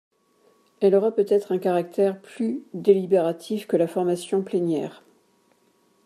Elle aura peut-être un caractère plus délibératif que la formation plénière.